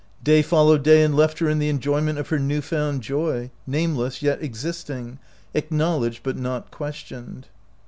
Day followed day and left her in the enjoy ment of her new found joy, nameless yet existing, acknowledged but not questioned.